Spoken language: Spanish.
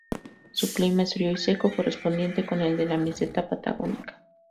Su clima es frío y seco, correspondiente con el de la meseta patagónica.